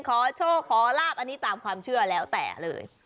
ขอโชคขอลาบอันนี้ตามความเชื่อแล้วแต่เลย